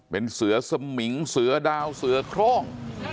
เป็นเสือสมิงเสือดาวเสือโครง